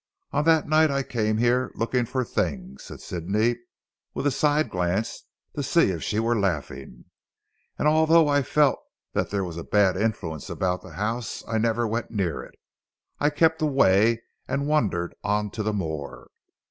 On that night I came here, looking for things " said Sidney with a side glance to see if she were laughing, "and although I felt that there was a bad influence about the house, I never went near it. I kept away and wandered on to the moor.